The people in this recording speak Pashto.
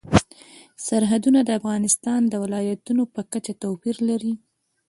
سرحدونه د افغانستان د ولایاتو په کچه توپیر لري.